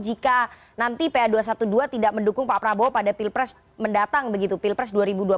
jika nanti pa dua ratus dua belas tidak mendukung pak prabowo pada pilpres mendatang begitu pilpres dua ribu dua puluh